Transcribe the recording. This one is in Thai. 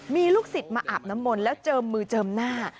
มีลูกศิษย์มาอาบน้ำมนต์แล้วเจิมมือเจิมหน้า